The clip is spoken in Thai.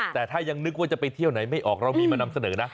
แต่ถ้ายังนึกว่าจะไปเที่ยวไหนไม่ออกเรามีมานำเสนอนะ